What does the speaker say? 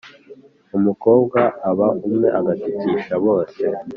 Umukobwa aba umwe agatukisha bose.